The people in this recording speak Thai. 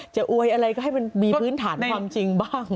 อวยอะไรก็ให้มันมีพื้นฐานความจริงบ้าง